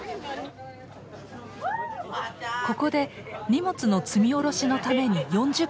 ここで荷物の積み下ろしのために４０分停車。